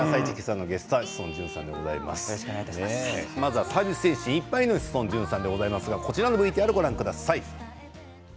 まずはサービス精神いっぱいの志尊淳さんでございますがこちらのＶＴＲご覧ください！